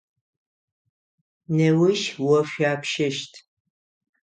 Неущ ошъопщэщт.